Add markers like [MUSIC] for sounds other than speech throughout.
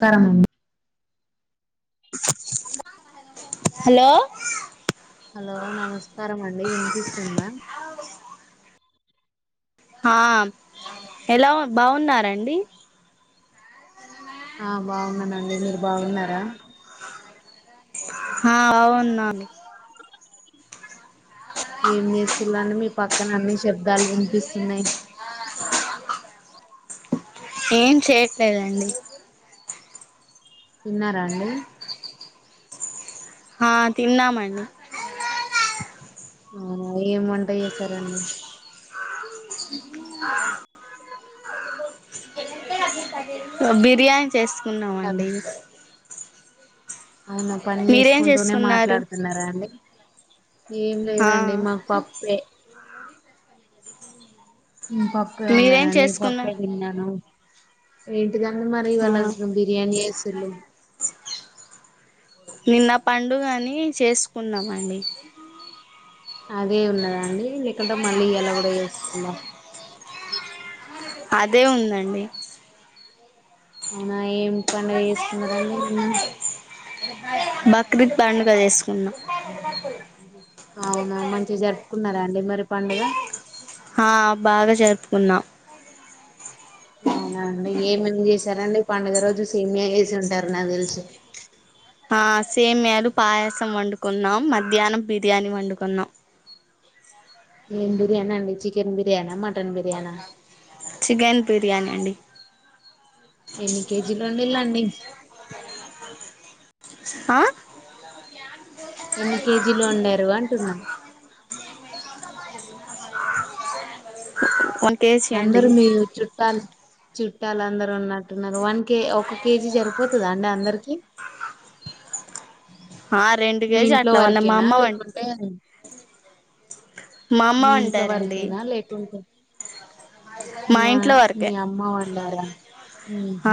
పరం hello hello నమస్కారం అండి వినిపిస్తుందా ఆ ఎలా ఉనా బాగున్నారండి ఆ బాగున్నానండి మీది బాగున్నారా ఆ అవున్నాను ఏం చేస్తున్నారు మీ పక్కన న్నీ శబ్దాలు వినిపిస్తున్నయి ఏం చేయట్లేదండి తిన్నారా అండి హా తిన్నామండి ఆ ఏం వంట చేసారండి బిర్యాని చేస్ అదే ఉన్నామండి అవునా పని మీరేం చేసుకుంటూనే చేసుకున్నారు మాట్లాడుతున్నారా అండి ఏం ఆ లేదండి మాకు పప్పే ఉ పప్పుే మీరేం వండానండి పప్పుే చేసుకున్నారు తిన్నాను ఏ ఇదంత మరి ఆ వాళ్లకు బిర్యానీ వేసులు నిన్న పండుగని చేసుకున్నామండి అదే ఉన్నదండి లేకుంటే మళ్ళీ ఇయాలా కూడా చేస్తుళ్లా అదే ఉందండి అవునా ఏం పండుగ చేసుకున్నారండి నిన్న బక్రీద్ పండుగ చేసుకున్నాం అవునా మంచిగా జరుపుకున్నారా అండి మరి పండుగ ఆ బాగా జరుపుకున్నాం అవునా అండ్ ఏమేమి చేశారండి పండుగ రోజు సేమ్యా చేసి ఉంటారు నాకు తెలుసు ఆ సేమ్యాలు పాయసం వండుకున్నాం మధ్యాహ్నం బిర్యానీ వండుకున్నాం ఏం బిర్యానీ అండి చికెన్ బిర్యానా మటన్ బిర్యానా చికెన్ బిర్యానీ అండి ఎన్ని కేజీలు వండిల్లండి ఆ ఎన్ని కేజీలు వండారు అంటున్నా వన్ కేజీ అండి అందరు మీ చుట్టాలు చుట్టాలు అందరు ఉన్నట్టున్నారు వన్ కే ఒక కేజీ సరిపోతుందా అండి అందరికి ఆ రెండు మీ కేజీ ఇంట్లో అట్లా వంద మా వరకేనా అమ్మ వం లేకుంటే మా అమ్మ మీ ఇంట్లో వండారండి వరకేనా లేకుంటే మీ మా అ ఇంట్లో వరకే మీ అమ్మ వండారా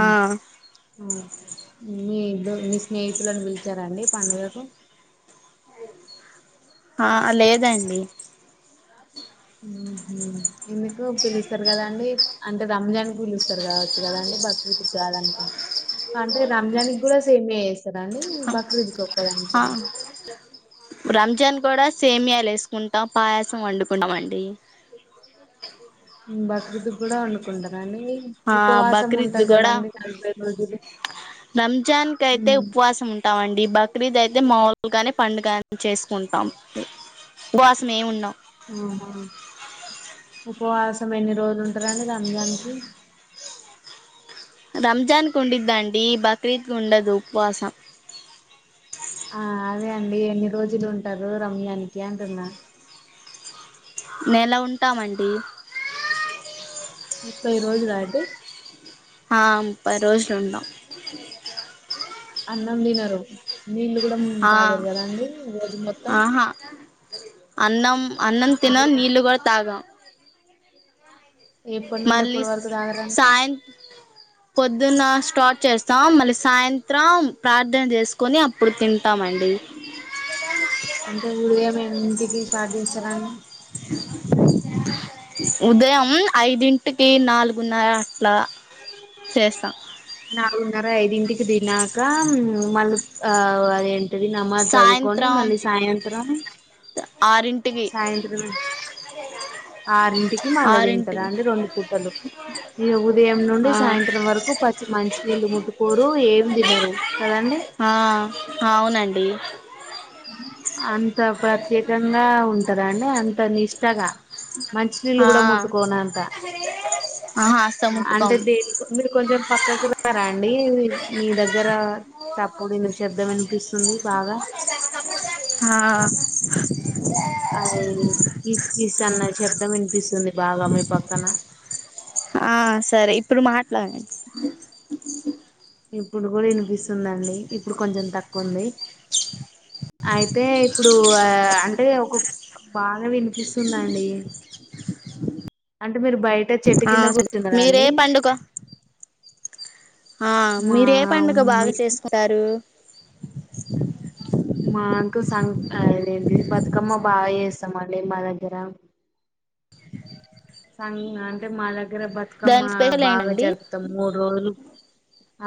ఆ ఆ మీ దో మీ స్నేహితులను పిలిచారండి పండుగకు ఆ లేదండి ఎందుకు పిలుస్తారు కదండి అంటే రంజాన్ పిలుస్తారు కావచ్చు కదండి బక్రీదు కాదనుకు అంటే రంజాన్ కూడా సేమ్ే చేస్తారుండి బక్రీ ఇదుకో రామ్చంద గడా సేమియాలు వేసుకుంటాం పాయసం వండుకుంటామ అండి బక్రదు కూడా వండుకుంటారా అండి ఆ బక్రీద్ కూడా నలభై రోజులు రంజాన్కయితే ఉమ్. ఉపవాసం ఉంటావండి బక్రీద్ అయితే అే మాములుగానీ పండు కాని చేసుకుంటాం వాసం ఏమున్నాం ఆహా ఉపవాసం ఎన్ని రోజులు ఉంటారంండి అజనికి రంజాన్ కుంద్దండి బక్రీద్ గుండదు ఉపవాసం ఆ అదే అండి ఎన్ని రోజులు ఉంటారు రమ్యానికి అంటున్నా మేను ఎలా ఉంటామండి ముప్పై రోజుల అండి ఆ ము పది రోజులుంటాం అన్నం దినరు నిీల్లు కూడా ఆ తాగరు కదా అండి రోజు మొత్తం ఆహా అన్నం అన్నంద తిన ఒక నీలుగా తాగ ఎప్పటి నుండి మళ్ళీ ఎప్పటి వరకు తాగరం సాయం పొద్దున్న స్టార్ట్ చేస్తాం మళ్ళీ సాయంత్రం ప్రార్థన చేసుకొని అప్పుడు తింటామండి అంటే ఉదయం ఇంటికి స్టార్ట్ చేస్తారా అండి ఉదయం ఐదింటికి నాలుగున్నర చేస్తాం నాాలుగున్నారా ఐదింటి దినా కా మళ ఆ అదేండి అది నమాజ్ చదువుకొని సాయంత్రం మళ్ళీ సాయంత్రం ఆరింటికి సాయంత్రం ఆరింటికి మళ్ళ తింటారా ఆరింటికి అండి రెండు పూటలు ఈ ఉదయం నుండి ఆ సాయంత్రం వరకు పచ్చి మంచిినీళ్ళు ముట్టుకోరు ఏ ము దినరు ఆ అవునండి అంత ప్రత్యేకంగా ఉంటారుండి అంత నిష్టగా మంచినీళ్ళు ఆ కూడా ముట్టుకోన అంత ఆహా అస్సలు అంటే ముట్టుకోము దేని మీరు కొంచెం పక్కకి రా రండి మీ దగ్గర ఇగ్గర సాప్పుూడి ను శబ్దం అనిపిస్తుంది బాగా ఆా అది కీస్ కీస్ అన్న చెప్పడం వినిపిస్తుంది బాగా మీ పక్కన ప్రమా ప్లనెట్స్ ఇప్పుడు కూడా వినిపిస్తుందండి ఇప్పుడు కొంచెం తక్కువంది అయితే ఇప్పుడు అంటే ఒక బాగా వినిపిస్తుందండి అంటే మీరు బయట చెట్టు ఆ కింద స కూర్చున్నారా మీరే అండి పండుగ ఆ మా మీర ఏ పడుగ బాగా మీకు చేసుకుంటారు అదేంటి బతుకమ్మ బాగా చేస్తామండి మా దగ్గర సంగ్ అంటే మాలగా హైదరాబాద్ కమ్మ దానికి స్పెషల్ బాగా ఏంటండి జరుపుతాం మూడు రోజులు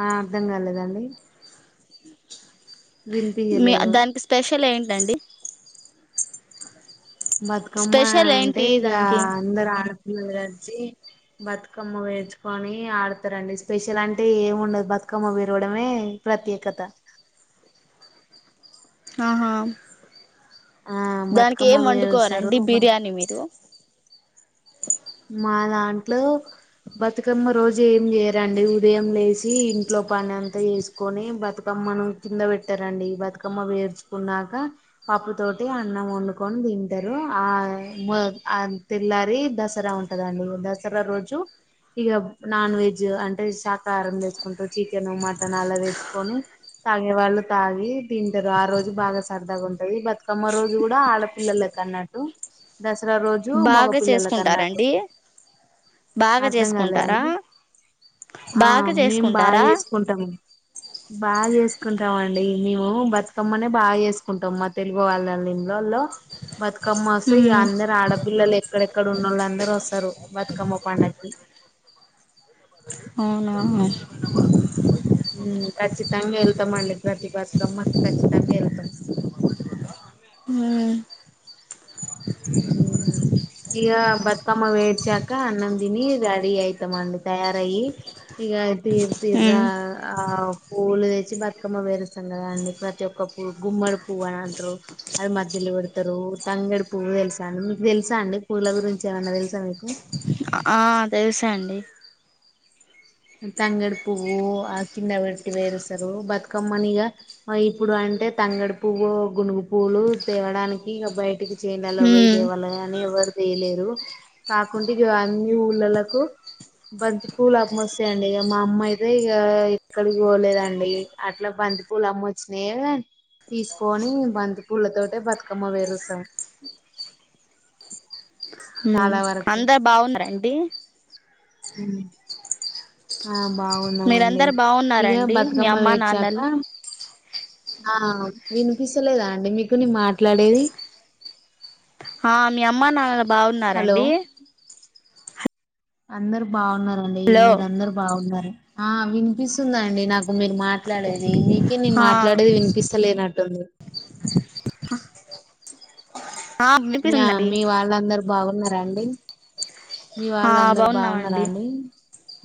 ఆ అర్ధం కాలేదండి మీ వినిపియలేదు దానికి స్పెషల్ ఏంటి రండి బతుకమ్మ అంటే ఏంటి ఇక దానికి అందరు ఆ చి బతుకమ్మ వేడ్చుకొని ఆడతారండి స్పెషల్ అంటే ఏం ఉండదు బతుకమ్మ విరవడమే ప్రత్యేకత ఆహా ఆ దానికి బతుకమ్మ ఏం వండుకోవాలండి పేరుస్తారు బిర్యానీ మీరు మా దాంట్లో బతుకమ్మ రోజు ఏం చేయరండి ఉదయం లేచ ఇంట్లో పని అంతా వేసుకొని బతుకమ్మను కింద పెట్టారంండి బతుకమ్మ వేర్చుకున్నాక పాప్పు తోటి అన్నం వండుకొని తింటారు ఆ తెల్లారి దస దసరా ఉంటదండి దసరా రోజు ఇక నాన్ వెజ్ అంటే శాకాహారం తెచ్చుకుంటారు చికెన్ మటన్ అలా తెచ్చుకొని తాగే వాళ్ళు తాగి తింటారు ఆ రోజు బాగా సరదాగా ఉంటది బతుకమ్మ రోజు కూడా ఆడపిిల్లలకి అన్నట్టు దసరా దస రోజు మగ బాగా పిల్లల కన్నా చేసుకుంటారండి బాగా అర్థం చేసుకుంటారా కాలేదండి ఆ బాగా మేం బాగా చేసుకుంటారా చేసుకుంటాం బాగా చేసుకు తీసుకుంటాం అండి మేము బతుకమ్మనే బాగా చేసుకుంటాం మా తెలుగు వాళ్ళని వాల్లో బతుకమ్ మసగా ఉమ్ అందరు ఆడ పిల్లలు ఎక్కడెక్కడ ఉన్నళ్ళ అందరు సరు బతుకమ్మ పండ అవునా ఉమ్ ఖచ్చితంగా వెళ్తాం మళ్ళీ ప్రతిభాస్త్రమ్ మాకు ఖచ్చితంగా వెళ్తాం ఇక బతుకమ్మ వేడ్చాక అన్నం తిని రెడీ అయితాం అండి తయారయి ఇక తీరు తీర ఉమ్ ఆ పుూవ్వులు తెచ్చి బతుకమ్మ వేరుస్తాం కదా అండి ప్రతి ఒక్క పువ్వు గుమ్మడి పువ్వు అని అంటారు అది మధ్యలో పెడతారు తంగడి పువ్వు తెలుసు అ మీకు తెలుసా అండి పూల గురించి ఏమన్నా తెలుసా మీకు ఆ తెలుసా అండి తంగడి పువ్వు ఆ కింద పెట్టి వేరుస్తారు బతుకమ్మనిగా ఇప్పుడు అంటే తంగడి పువ్వు గునుగు పువ్వులు తేవడానికి ఇ బయటికి చేైలలో వయి ఉమ్ దేవాాల అ ఎవరు తెయలేరు కాకుంటే ఇ అన్ని ఊళలకు బంతి పూలు మ అే అండి ఇక మా అమ్మ అయితే ఇక ఎక్కడికి పోలేదండి అట్లా బంతి పూల అమ్మ వచ్చినాయ తీసుకొని బంతి పూల తోట బతుకమ్మ వేరుస్తాం అందరు బాగుందిండి ది ఆ బాగున్నామండి మీరందరు ఇక బాగున్నారండి మీ బతుకమ్మ అమ్మ వేడ్చాక నాన్నలు ఆ వినిపిించలేదా అండి మీకు నీ మాట్లాడేది ఆ మీ అమ్మా నా హలో బాగున్నారంండి అందరు బాగున్నార అండి హలో మీర అందరు బాగున్నారు ఆ వినిపిస్తుందండి నాకు మీరు మాట్లాడేది మీ అందుకే నేను ఆ మాట్లాడేది వినిపిస్తలేనట్టు ఆ వినిపిస్తుందండి మీ వాళ్ళందరు బాగున్నారా అండి మీ ఆ వాళ్ళు అందరు బాగున్నారా బాగున్నామండి అండి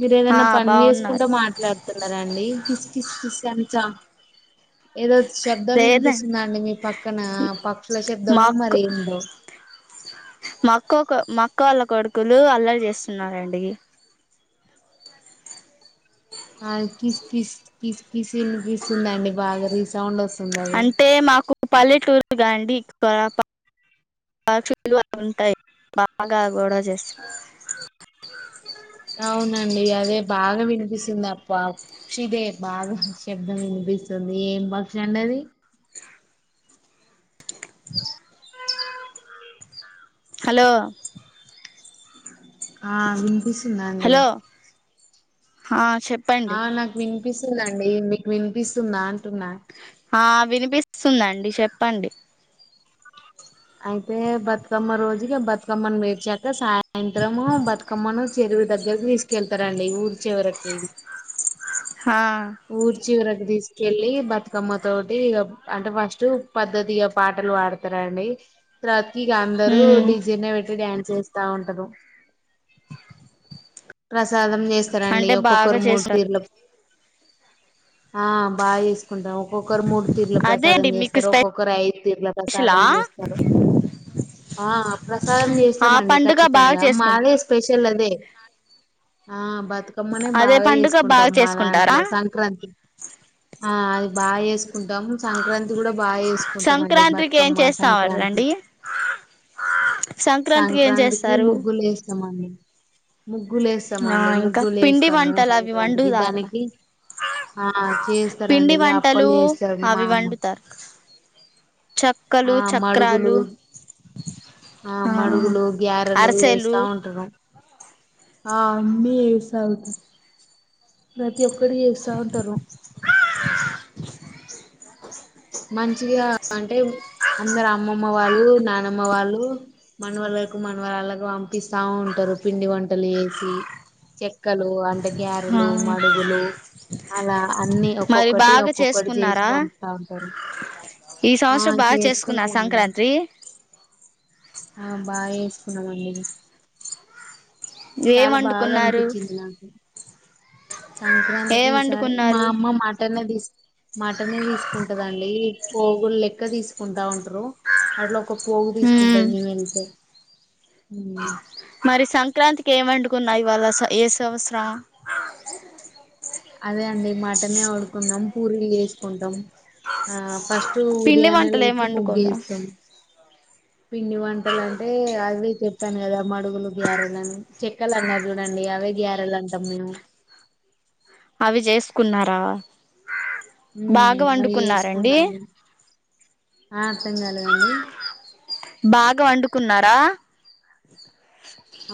మీరు ఆ ఏదైనా పని బాగున్నారు చేసుకుంటా మాట్లాడుతున్నారా అండి కిస్కిస్కిస్ [UNINTELLIGIBLE] చ ఏదో శబ్దం లేదండి వినిపిస్తుంద అండి మీ పక్కన పక్షుల మా శబ్దమో మరి అక్క ఏందో కోళ్ళ కొడుకులు అల్లర చేస్తున్నారు అండి ఆ కిస్ కిస్ కిస్ కిస్ వినిపిస్తుంది అండి బాగా రీసౌండ్ వస్తుంది అది అంటే మాకు పల్లెటూరు గాండి ఉంటాయి పక్షులు బాగా గొడవ చేస్తాయి అవునండి అదే బాగా వినిపిస్తుంది ఆ పక్షిదే బాగా శబ్దం వినిపిస్తుంది ఏం పక్షి అండి అది హలో ఆ వినిపిస్తున్నాండి హ ఆ నాకు విన్ వినిపిస్తుందండి మీకు వినిపిస్తుందా అంటున్నా ఆ వినిపిస్ వస్తుందండి చెప్పండి అయితే బతుకమ్మ రోజుకి బతుకమ్మను పెర్చక సాయంత్రము బతుకమ్మను చెరువు దగ్గరకి తీసుకెళ్తారండి ఊరి చివరికి ఆ ఊరి చివర తీసుకెళ్ళి బతుకమ్మ తోటి అంటే ఫస్ట్ పద్దతిగా పాటలు పాడతారండి తరువ ఇక అందరరు ఉమ్ డిజె నే పెట్టి డాం చేస్తా ఉంటరు రస్ ప్రసాదం చేస్తారండి అంటే బాగా ఒక్కొక్కరు మూడు చేస్తారు తీరులకు ఆ బాగా చేసుకుంటాము ఒక్కరు మూడు తీరుల అదే ప్రసాదం అండి మీకు చేస్తారు ఒక్కొక్కరు ఐదు తీరుల స్పెషలా ప్రసాదం చేస్తారు ఆ ప్రసాదం ఆ చేస్తామండి పండుగ బాగా ఖచ్చితంగా చేసుకుంట మాలే స్పెషల్ అదే ఆ బతుకమ్మనే అదే బాగా పండుగ చేసుకుంటాం బాగా మా చేసుకుంటారా దాంట్లో సంక్రాంతి ఆ బాయస్ కుంటాము సంక్రాంతి కూడా బాగా వేసుకుంటాము అండి సంక్రాంతికి ఏం బతుకమ్మ సంక్రాంతి చేస్తారండి ఏం సంక్రాంతికి చేస్తారు ముగ్గులు వేస్తామం ఆ ఇంకా ముగ్గులు పిండి వేస్తాము వంటలు అవి సంక్రాంతికి వండుతారు దానికి ఆ పిండి చేస్తారండి అప్పలు వంటలు చేస్తారు మా అవి అమ్మ వండుతారు చక్కలు ఆ మడుగులు చక్రాలు ఆ ఆ మడుగులు గ్యారెలు అరిసెలు వేస్తా ఉంటారు ఆ అమ్మి ఏసగుత ప్రతి ఒకరు ఏడుస్తూ ఉంటారు మంచిగా అంటే అందరు అమ్మమ్మ అమ్మ వాళ్ళు నానమ్మ వాళ్ళు మనవళ్ళకు మనరాళ్లకు పంపిస్తా ఉంటారు పిండి వంటలు వసి చె మక్కలు అంటే ఆ గారెలు మడుగులు అలా అన్నిీ మరి ఒక్కొక్కటి బాగా ఒక్కొక్కటి చేసి చేసుకున్నారా పంపుతుంటారు ఈ సంవత్సరం బాగా చేసుకున్న సంక్రాంతి చేసుకున్నాం అండి ఏం చాలా బాగా వండుకున్నారు అనిపించింది నాకు ఏం సంక్రాంతికి ఈసారి మా వండుకున్నారు అమ్మ మాట మటనే తీ మటన్ తీసుకుంటదండి పోగులు లెక్క తీసుకుంటా ఉంటారు అట్లా ఒక పోగు ఉమ్ తీసుకుంటది మేము వెళ్తే మ్మ్ మరి సంక్రాంతి అదే అండి మటనే వండుకున్నాం పూరీలు చేసుకుంటాం ఆ ఫస్ట్ పిండి ఉదయానే వంటలు ఏం లేకి వండుకోరా ముగ్గిస్తాం పిండి వంటలు అంటే అవి చెప్పాను కదా మడుగులు గ్యారెలుని చెక్కలు అన్నారు చూడండి అవే గ్యారెలు అంటాం మేము అవి చేసుకున్నారా ఉ బాగా మరి వండుకున్నారండి చేస్తున్నాను ఆ అర్థం కాలేదండి బాగా వండుకున్నారా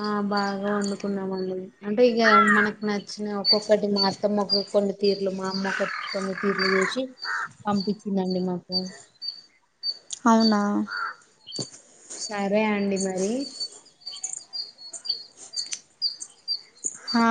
ఆ బాగా వండుకున్నామండి అంటే ఇక మనకి నచ్చిన ఒక్కొక్కటి మా అత్తమ్మ కొన్ని తీర్లు మా అమ్మటి కొన్ని తీర్లు చేసి పంపించిందండి మాకు అవునా సరే అండి మరి హా